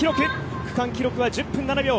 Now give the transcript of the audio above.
区間記録は１０分７秒。